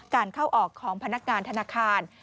การเข้าออกของพนักงานธนาคาร